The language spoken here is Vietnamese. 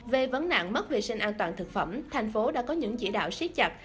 về vấn nạn mất vệ sinh an toàn thực phẩm thành phố đã có những chỉ đạo siết chặt